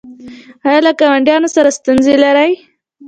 ایا له ګاونډیانو سره ستونزې لرئ؟